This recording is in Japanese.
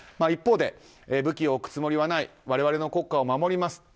一方で武器を置くつもりはない我々の国家を守ります。